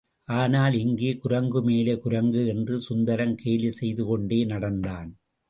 ஆனால், இங்கே குரங்குமேலே குரங்கு என்று சுந்தரம் கேலி செய்துகொண்டே நடந்தான்.